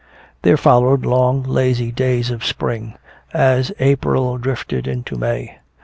There followed long lazy days of spring, as April drifted into May.